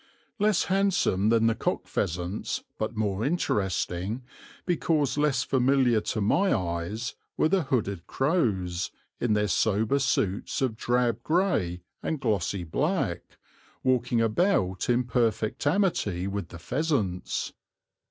Less handsome than the cock pheasants, but more interesting, because less familiar to my eyes, were the hooded crows, in their sober suits of drab grey and glossy black, walking about in perfect amity with the pheasants.